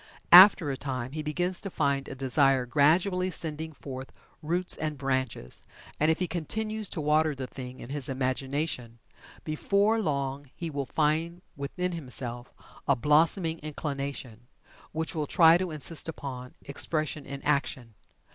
After a time he begins to find a desire gradually sending forth roots and branches, and if he continues to water the thing in his imagination, before long he will find within himself a blossoming inclination, which will try to insist upon expression in action.